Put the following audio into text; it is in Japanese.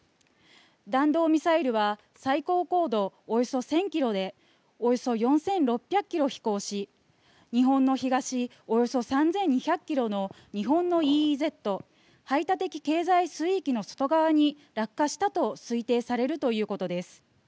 弾道ミサイルは最高高度およそ１０００キロでおよそ４６００キロ飛行し日本の東およそ３２００キロの日本のＥＥＺ排他的経済水域の外側に落下したと推定されるということです。